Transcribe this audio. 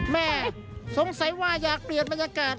แม่สงสัยว่าอยากเปลี่ยนบรรยากาศ